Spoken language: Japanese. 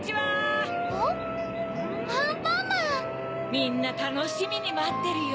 みんなたのしみにまってるよ。